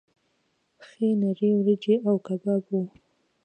ښې نرۍ وریجې او کباب وو.